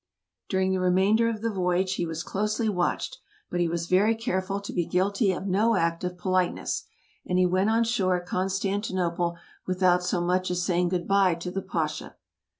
During the remainder of the voyage he was closely watched, but he was very careful to be guilty of no act of "politeness," and he went on shore at Constantinople without so much as saying good by to the Pasha.